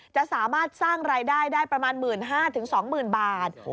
จะสามารถสร้างรายได้ได้ประมาณ๑๕๐๐๒๐๐๐บาท